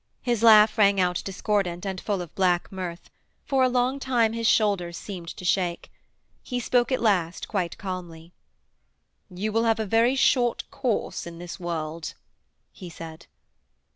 His laugh rang out discordant and full of black mirth; for a long time his shoulders seemed to shake. He spoke at last quite calmly. 'You will have a very short course in this world,' he said.